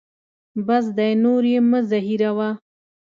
بس دی نور یې مه زهیروه.